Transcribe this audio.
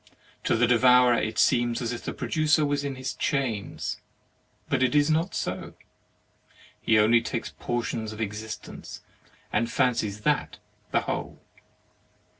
To the devourer it seems as if the pro ducer was in his chains; but it is not so, he only takes portions of existence, and fancies that the whole.